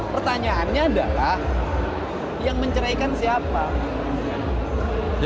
pertanyaannya adalah yang menceraikan siapa